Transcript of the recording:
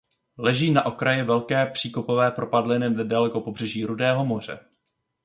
Leží na okraji Velké příkopové propadliny nedaleko pobřeží Rudého moře.